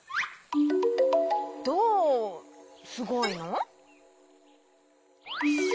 どうすごいの？